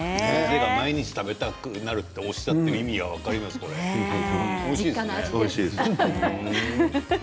毎日食べたくなるとおっしゃっている意味が実家の味です。